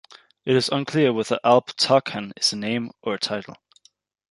It is unclear whether "Alp Tarkhan" is a name or a title.